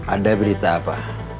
ada berita apa